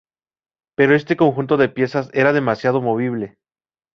Pero este conjunto de piezas era demasiado movible.